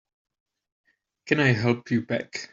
Can I help you pack?